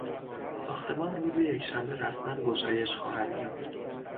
ساختمان روز یکشنبه رسما گشایش خواهد یافت.